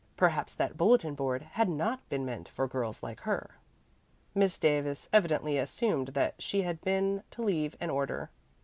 Perhaps that bulletin board had not been meant for girls like her. Miss Davis evidently assumed that she had been to leave an order.